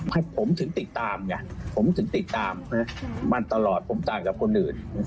ให้ผมถึงติดตามมันตลอดต่างกับคนอื่น